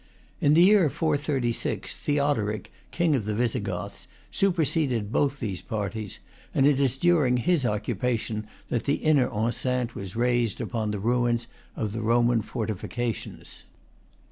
In the year 436, Theodoric, King of the Visigoths, superseded both these parties; and it is during his oc cupation that the inner enceinte was raised upon the ruins of the Roman fortifications.